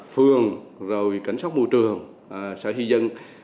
phường cảnh sát môi trường sở hy dân